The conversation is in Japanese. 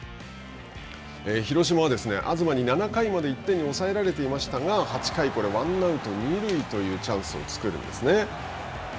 広島は東に７回まで１点に抑えられていましたが、８回ワンアウト、二塁というチャンスを作るんですね。